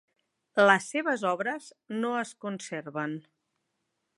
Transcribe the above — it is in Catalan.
Les seves obres no es conserven.